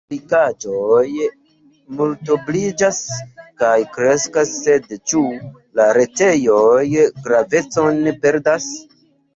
La aplikaĵoj multobliĝas kaj kreskas, sed ĉu la retejoj gravecon perdas?